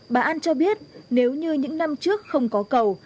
bà an cho biết nếu như những năm trước không có cầu